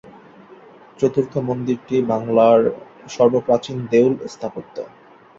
চতুর্থ মন্দিরটি বাংলার সর্বপ্রাচীন দেউল স্থাপত্য।